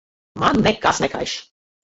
Man nekas nekaiš.